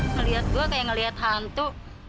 ngelihat gue kayak ngeliat hantu